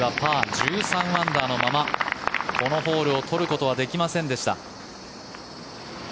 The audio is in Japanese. １３アンダーのままこのホールを取ることはできませんでした。